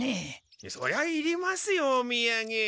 そりゃいりますよおみやげ。